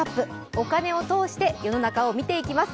お金を通して世の中を見ていきます。